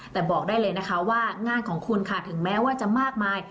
แต่บอกได้เลยนะคะว่างานของคุณค่ะถึงแม้ว่าจะมากมาย